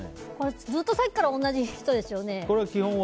ずっとさっきから同じ人ですよね。